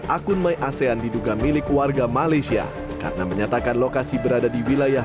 akun my asean diduga milik warga malaysia karena menyatakan lokasi berada di wilayah